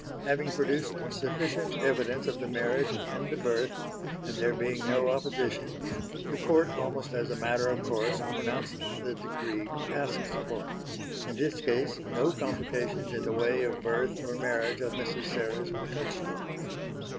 Having produced sufficient evidence of the marriage and the birth, and there being no opposition, the Court almost as a matter of course pronounced the decree asked for. In this case no complications in the way of birth or marriage of Mrs. Serres were touched on.